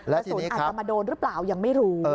ส่วนอัตมาโดนหรือเปล่ายังไม่รู้